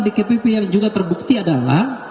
dkpp yang juga terbukti adalah